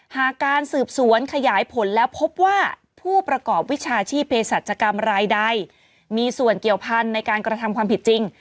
หากการสืบสวนขยายผลแล้วพบว่าผู้ประกอบวิชาชีพเพศรัชกรรมรายใดมีส่วนเกี่ยวพันธุ์ในการกระทำความผิดจริง